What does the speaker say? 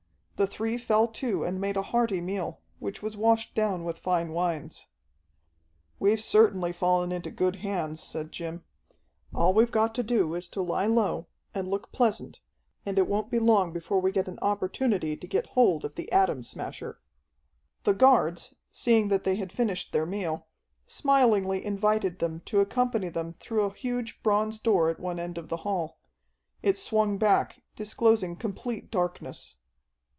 The three fell to and made a hearty meal, which was washed down with fine wines. "We've certainly fallen into good hands," said Jim. "All we've got to do is to lie low, and look pleasant, and it won't be long before we get an opportunity to get hold of the Atom Smasher." The guards, seeing that they had finished their meal, smilingly invited them to accompany them through a huge bronze door at one end of the hall. It swung back, disclosing complete darkness.